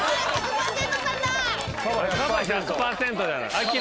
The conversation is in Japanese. カバ１００％じゃない。